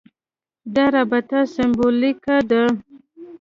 دا رابطه سېمبولیکه ده.